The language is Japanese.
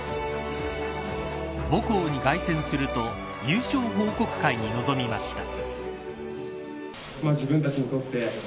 母校にがい旋すると優勝報告会に臨みました。